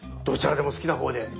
どちらでも好きな方で。